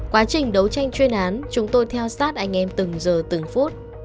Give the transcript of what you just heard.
quá trình đấu tranh chuyên án chúng tôi theo sát anh em từng giờ từng phút